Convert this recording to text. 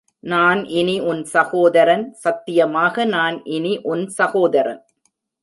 நான் இனி உன் சகோதரன், சத்தியமாக நான் இனி உன் சகோதரன்.